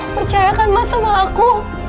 percayakan mas sama aku